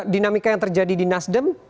dinamika yang terjadi di nasdem